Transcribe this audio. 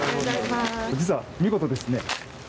実は、見事ですね